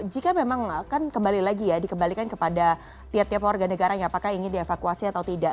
jika memang kan kembali lagi ya dikembalikan kepada tiap tiap warga negaranya apakah ingin dievakuasi atau tidak